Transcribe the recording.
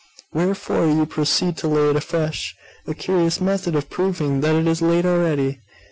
'Wherefore you proceed to lay it afresh. A curious method of proving that it is laid already.